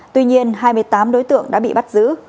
tuy nhiên hai mươi tám đối tượng đã bị bắt giữ